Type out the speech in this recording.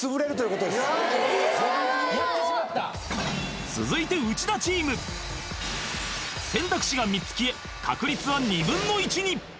うわ続いて内田チーム選択肢が３つ消え確率は２分の１に！